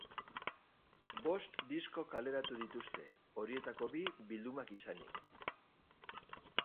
Bost disko kaleratu dituzte, horietako bi bildumak izanik.